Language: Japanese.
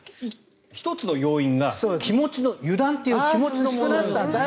１つの要因が気持ちの油断という気持ちの問題。